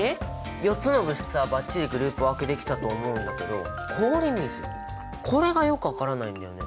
４つの物質はバッチリグループ分けできたと思うんだけど氷水これがよく分からないんだよね。